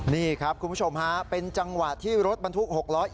นี่ครับคุณผู้ชมฮะเป็นจังหวะที่รถบรรทุก๖ล้อ